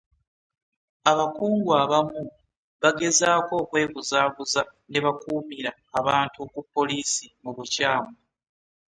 Abakungu abamu bagezaako okwebuzaabuza nebakuumira abantu ku poliisi mu bukyamu.